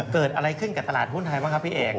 เกิดอะไรขึ้นกับตลาดหุ้นไทยบ้างครับพี่เอก